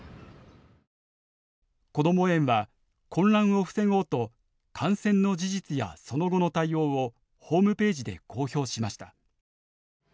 こども園は混乱を防ごうと感染の事実やその後の対応をホームページで公表しました。